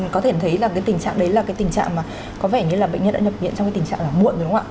có thể thấy là tình trạng đấy là tình trạng mà có vẻ như là bệnh nhân đã nhập viện trong tình trạng muộn đúng không ạ